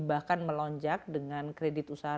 bahkan melonjak dengan kredit usaha